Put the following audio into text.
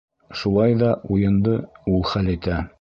Шулай ҙа уйынды ул хәл итә.